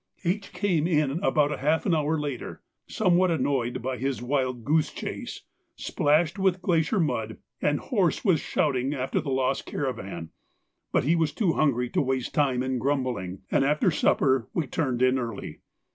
H. came in about half an hour later, somewhat annoyed by his wild goose chase, splashed with glacier mud, and hoarse with shouting after the lost caravan; but he was too hungry to waste time in grumbling, and after supper we turned in early.